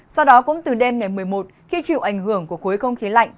sau đó cũng từ đêm ngày một mươi một khi chịu ảnh hưởng của khối không khí lạnh